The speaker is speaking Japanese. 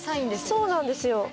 ・そうなんですよ。